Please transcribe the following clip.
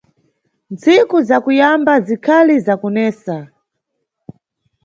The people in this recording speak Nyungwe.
Ntsiku za kuyamba zikhali za kunesa.